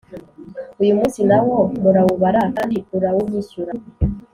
Uyu munsi nawo murawubara kandi urawunyishyura